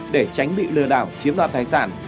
để tránh bị lừa đảo chiếm đoạt thái sản